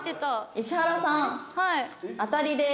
「石原さん当たりです。